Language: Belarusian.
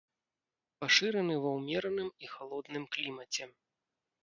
Пашыраны ва ўмераным і халодным клімаце.